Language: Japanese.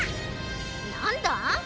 なんだ？